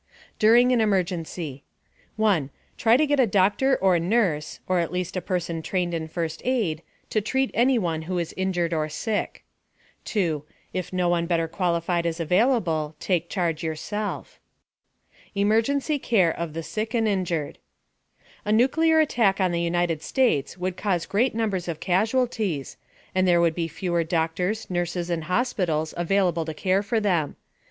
DURING AN EMERGENCY 1. Try to get a doctor or nurse (or at least a person trained in first aid) to treat anyone who is injured or sick. 2. If no one better qualified is available, take charge yourself. EMERGENCY CARE OF THE SICK AND INJURED A nuclear attack on the United States would cause great numbers of casualties, and there would be fewer doctors, nurses and hospitals available to care for them.